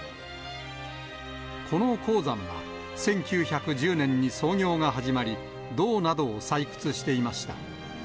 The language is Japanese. この鉱山は、１９１０年に操業が始まり、銅などを採掘していました。